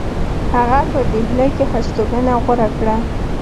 هغه په ډهلی کې هستوګنه غوره کړه.